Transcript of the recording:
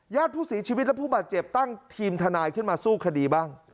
ผู้เสียชีวิตและผู้บาดเจ็บตั้งทีมทนายขึ้นมาสู้คดีบ้าง